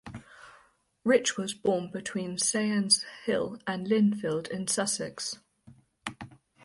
Rich was born between Scaynes Hill and Lindfield in Sussex.